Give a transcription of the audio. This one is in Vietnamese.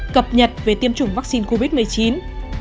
cập nhật và giải quyết các bệnh nhân đều mắc sẵn